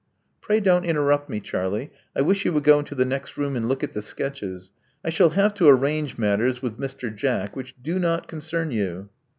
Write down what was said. Pray don't interrupt me, Charlie. I wish you would go into the next room and look at the sketches. I shall have to arrange matters with Mr. Jack which do not concern you."